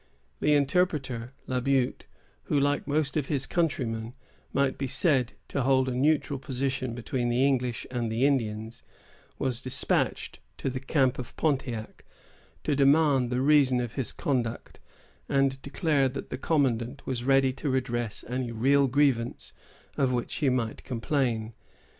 The interpreter, La Butte, who, like most of his countrymen, might be said to hold a neutral position between the English and the Indians, was despatched to the camp of Pontiac, to demand the reasons of his conduct, and declare that the commandant was ready to redress any real grievance of which he might complain.